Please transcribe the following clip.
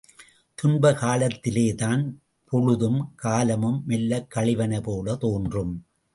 துன்ப காலத்திலேதான் பொழுதும் காலமும் மெல்லக் கழிவன போலத் தோன்றும்.